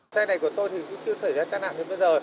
xe này của tôi thì cũng chưa xảy ra tai nạn như bây giờ